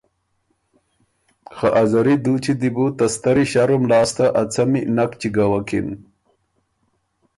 خه ا زری دُوچی دی بو ته ستری ݭرُم لاسته ا څمی نک چګَوکِن